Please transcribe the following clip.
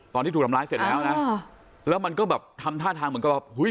ตอนที่ถูกทำร้ายเสร็จแล้วนะแล้วมันก็แบบทำท่าทางเหมือนกับว่า